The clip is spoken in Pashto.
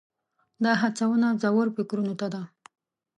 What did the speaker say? دا هڅونه ژورو فکرونو ته ده.